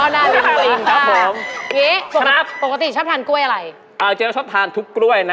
อ๋อนั่นคือกล้วยอิงครับผมวิ๊ปกติชอบทานกล้วยอะไรชอบทานทุกกล้วยนะ